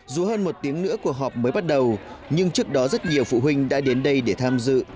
dù hơn một tiếng nữa cuộc họp mới bắt đầu nhưng trước đó rất nhiều phụ huynh đã đến đây để tham dự